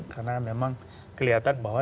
karena memang kelihatan bahwa